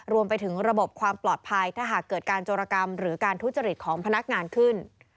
รวมไปถึงระบบความปลอดภัยถ้าหากเกิดการโจรกรรมหรือการทุจริตของพนักงานขึ้น